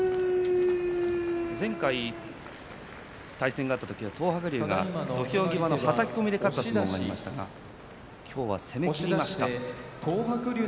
前回、対戦があった時は東白龍が土俵際のはたき込みで勝った相撲がありましたが今日は攻めきりました。